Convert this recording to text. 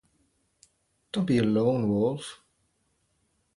Don't be a lone wolf.